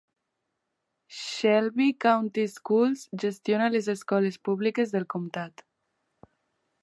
Shelby County Schools gestiona les escoles públiques del comtat.